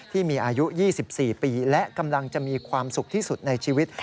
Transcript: ที่มีอายุ๒๔ปีและกำลังจะมีความสุขที่สุดในชีวิต